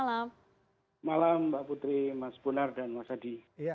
selamat malam mbak putri mas bonar dan mas adi